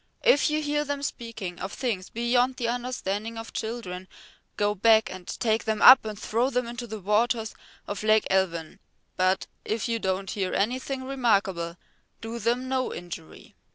If you hear them speaking of things beyond the understanding of children, go back and take them up and throw them into the waters of Lake Elvyn. But if you don't hear anything remarkable, do them no injury."